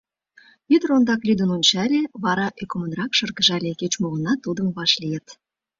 Ӱдыр ондак лӱдын ончале, вара ӧкымракын шыргыжале: кеч-мо гынат, тудым вашлийыт.